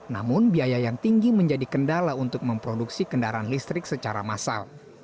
namun biaya yang tinggi menjadi kendala untuk memproduksi kendaraan listrik secara massal